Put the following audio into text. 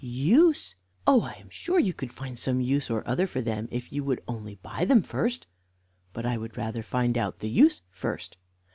"Use! Oh, I am sure you could find some use or other for them if you would only buy them first." "But I would rather find out the use first."